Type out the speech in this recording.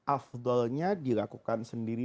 afdolnya dilakukan sendiri